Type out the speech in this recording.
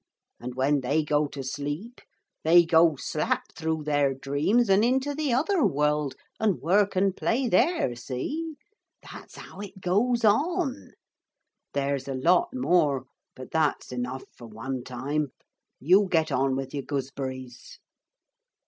And when they go to sleep they go slap through their dreams and into the other world, and work and play there, see? That's how it goes on. There's a lot more, but that's enough for one time. You get on with your gooseberries.'